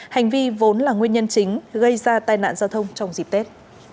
hành vi vốn là nguyên nhân chính gây ra tai nạn giao thông trong dịp tết